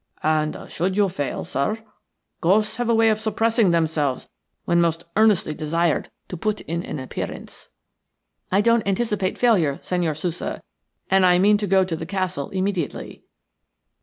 "And should you fail, sir? Ghosts have a way of suppressing themselves when most earnestly desired to put in an appearance." "I don't anticipate failure, Senhor Sousa, and I mean to go to the castle immediately."